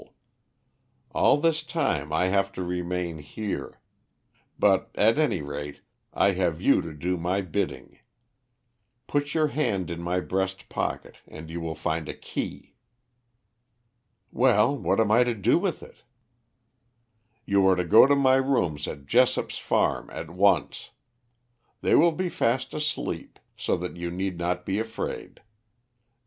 All this time I have to remain here. But, at any rate, I have you to do my bidding. Put your hand in my breast pocket and you will find a key." "Well, what am I to do with it?" "You are to go to my rooms at Jessop's farm at once. They will be fast asleep, so that you need not be afraid.